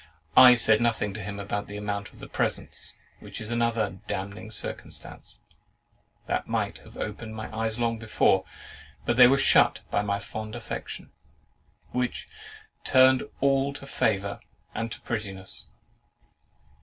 I said nothing to him about the amount of the presents; which is another damning circumstance, that might have opened my eyes long before; but they were shut by my fond affection, which "turned all to favour and to prettiness."